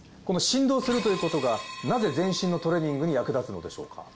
この振動するということがなぜ全身のトレーニングに役立つのでしょうか？